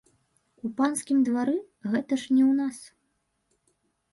У панскім двары, гэта ж не ў нас.